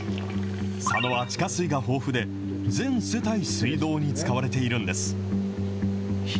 佐野は地下水が豊富で、全世帯、水道に使われているんです。